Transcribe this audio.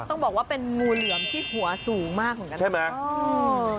ต้องบอกว่าเป็นงูเหลือมที่หัวสูงมากเหมือนกันใช่ไหม